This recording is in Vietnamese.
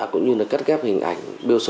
cũng như là cắt ghép hình ảnh